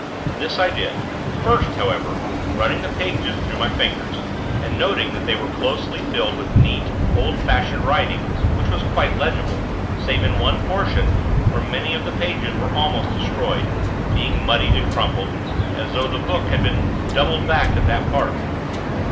This I did, first, however, running the pages through my fingers, and noting that they were closely filled with neat, old fashioned writing which was quite legible, save in one portion, where many of the pages were almost destroyed, being muddied and crumpled, as though the book had been doubled back at that part.